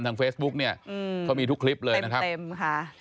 เฟซบุ๊กเนี่ยเขามีทุกคลิปเลยนะครับเต็มค่ะ